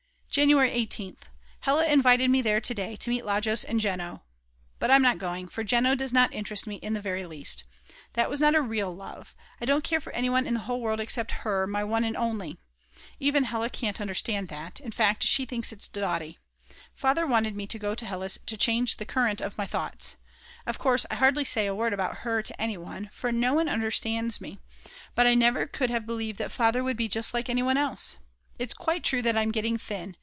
January 18th. Hella invited me there to day, to meet Lajos and Jeno. But I'm not going, for Jeno does not interest me in the very least. That was not a real love. I don't care for anyone in the whole world except her, my one and only! Even Hella can't understand that, in fact she thinks it dotty. Father wanted me to go to Hella's to change the current of my thoughts. Of course I hardly say a word about her to anyone, for no one understands me. But I never could have believed that Father would be just like anyone else. It's quite true that I'm getting thin.